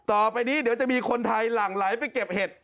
ต่อไปนี้เดี๋ยวจะมีคนไทยหลั่งไหลไปเก็บเห็ด